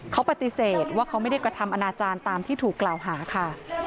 เขาปฏิเสธว่าเขาไม่ได้กระทำอนาจารย์ตามที่ถูกกล่าวหาค่ะ